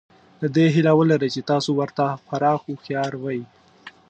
د دې هیله ولرئ چې تاسو ورته خورا هوښیار وئ.